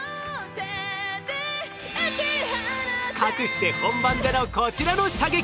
かくして本番でのこちらの射撃！